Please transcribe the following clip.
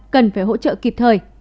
cần phải hỗ trợ kịp thời